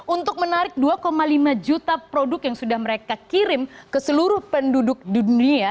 untuk menarik dua lima juta produk yang sudah mereka kirim ke seluruh penduduk dunia